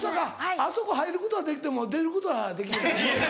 あそこ入ることはできても出ることはできない。